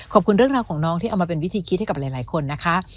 ขอบคุณเรื่องราวของน้องที่เอามาเป็นวิธีคิดให้กับหลายคนนะคะ